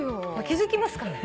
気付きますかね？